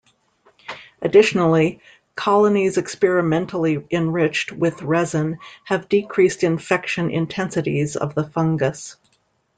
Additionally, colonies experimentally enriched with resin have decreased infection intensities of the fungus.